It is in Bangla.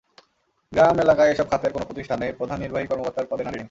গ্রাম এলাকায় এসব খাতের কোনো প্রতিষ্ঠানেই প্রধান নির্বাহী কর্মকর্তার পদে নারী নেই।